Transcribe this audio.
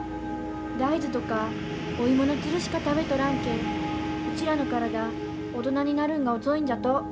大豆とかオイモのつるしか食べとらんけえうちらの体大人になるんが遅いんじゃと。